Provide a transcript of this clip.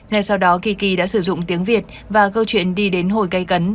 ngay sau đó kiki đã sử dụng tiếng việt và câu chuyện đi đến hồi cây cấn